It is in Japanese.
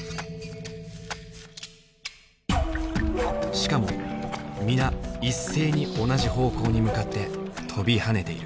しかも皆一斉に同じ方向に向かって跳びはねている。